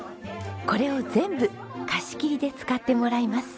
これを全部貸し切りで使ってもらいます。